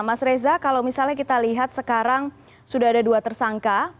mas reza kalau misalnya kita lihat sekarang sudah ada dua tersangka